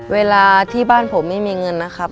เวลาที่บ้านผมไม่มีเงินนะครับ